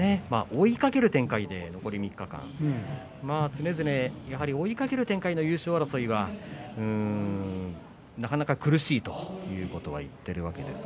追いかける展開で残り３日常々追いかける展開の優勝争いはなかなか苦しいということを言っているわけです。